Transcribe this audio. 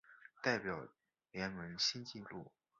代表联盟新纪录